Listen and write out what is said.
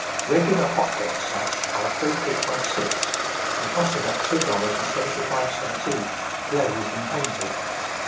Regular hotbed sash are three feet by six, and cost about two dollars and seventy five cents each, glazed and painted.